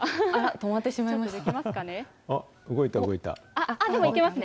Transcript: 止まってしまいました。